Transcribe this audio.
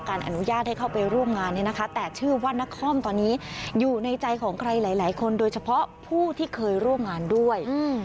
อนุญาตให้เข้าไปร่วมงานเนี่ยนะคะแต่ชื่อว่านครตอนนี้อยู่ในใจของใครหลายคนโดยเฉพาะผู้ที่เคยร่วมงานด้วย